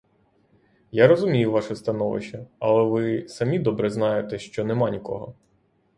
Я розумію ваше становище, але ви самі добре знаєте, що нема нікого.